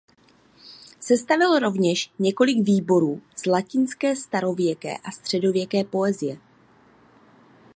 Sestavil rovněž několik výborů z latinské starověké a středověké poezie.